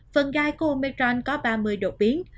phần gai của omicron có ba mươi đột biến